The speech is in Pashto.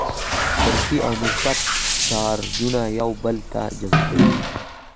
منفي او مثبت چارجونه یو بل ته جذبیږي.